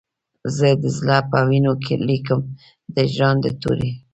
زه د زړه په وینو لیکم د هجران د توري